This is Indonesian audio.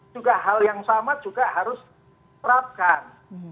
juga hal yang sama harus diperapkan